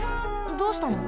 どうしたの？